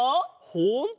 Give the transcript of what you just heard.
ほんとだ！